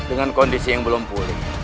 dengan kondisi yang belum pulih